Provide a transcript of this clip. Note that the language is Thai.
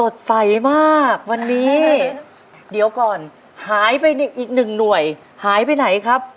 มากวันนี้เดี๋ยวก่อนหายไปอีกหนึ่งหน่วยหายไปไหนครับ